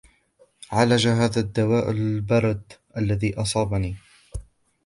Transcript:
عالج هذا الدواء البرد الذي أصابني.